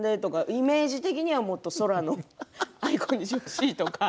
イメージ的には空のアイコンにしてほしいとか。